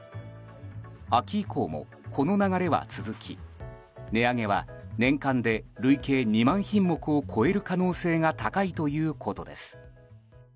秋以降もこの流れは続き値上げは年間で累計２万品目を超える可能性が高いということです。